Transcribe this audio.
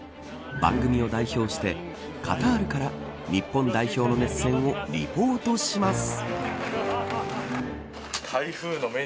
番組を代表してカタールから日本代表の熱戦をリポートします。